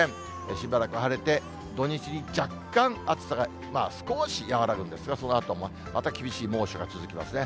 しばらく晴れて、土日に、若干、暑さが、少し和らぐんですが、そのあともまた厳しい猛暑が続きますね。